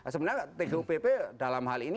sebenarnya tgupp dalam hal ini